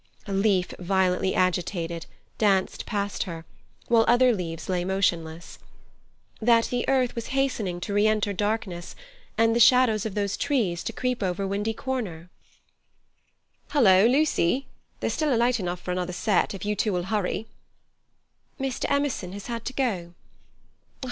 A leaf, violently agitated, danced past her, while other leaves lay motionless. That the earth was hastening to re enter darkness, and the shadows of those trees over Windy Corner? "Hullo, Lucy! There's still light enough for another set, if you two'll hurry." "Mr. Emerson has had to go."